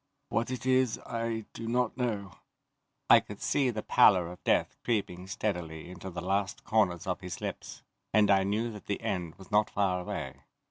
What it is I do not know." I could see the pallor of death creeping steadily into the last corners of his lips, and I knew that the end was not far away.